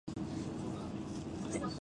かめはめ波